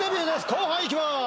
後半いきます